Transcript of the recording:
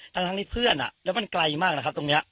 ทั้งที่เพื่อนแล้วมันไกลมากนะครับตรงนี้